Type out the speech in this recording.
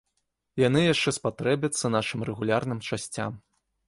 Яны яшчэ спатрэбяцца нашым рэгулярным часцям.